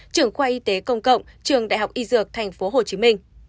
trưởng khoa y tế công cộng trường đại học y dược tp hcm